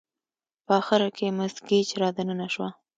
په اخره کې مس ګېج را دننه شوه.